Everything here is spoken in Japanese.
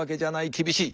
厳しい。